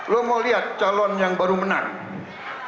lo mau lihat calon yang baru menang